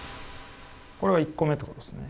これは１個目ってことですね。